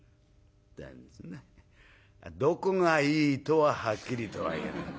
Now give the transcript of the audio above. どこがいいとははっきりとは言わない。